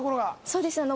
そうですね